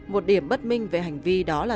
một điểm bất minh về hành vi đó là